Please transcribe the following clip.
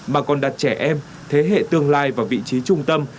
mà còn đặt trẻ em thế hệ tương lai vào vị trí trung tâm